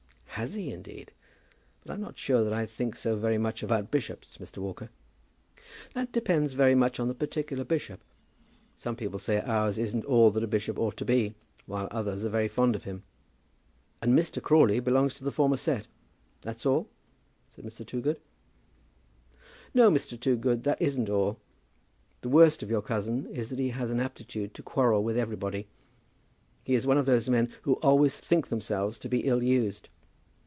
"Has he, indeed? But I'm not sure that I think so very much about bishops, Mr. Walker." "That depends very much on the particular bishop. Some people say ours isn't all that a bishop ought to be, while others are very fond of him." "And Mr. Crawley belongs to the former set; that's all?" said Mr. Toogood. "No, Mr. Toogood; that isn't all. The worst of your cousin is that he has an aptitude to quarrel with everybody. He is one of those men who always think themselves to be ill used.